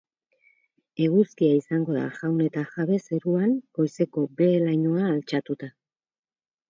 Eguzkia izango da jaun eta jabe zeruan, goizeko behe-lainoa altxatuta.